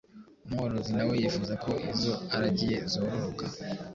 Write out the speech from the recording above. umworozi na we yifuza ko izo aragiye zororoka